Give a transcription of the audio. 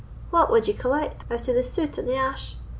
what wad ye collect out of the sute and the ass?